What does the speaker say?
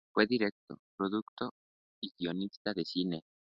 Fue director, productor y guionista de cine.